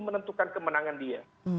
menentukan kemenangan dia